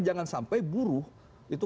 jangan sampai buruh itu